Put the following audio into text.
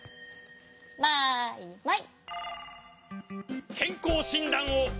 マイマイ。